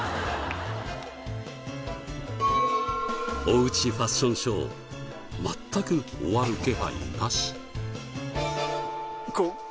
おうちファッションショー全く終わる気配なし。